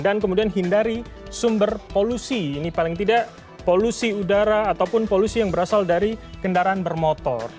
dan kemudian hindari sumber polusi ini paling tidak polusi udara ataupun polusi yang berasal dari kendaraan bermotor